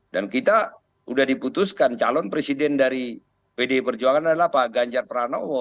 dan kita sudah diputuskan calon presiden dari bdi perjuangan adalah pak ganjar pranowo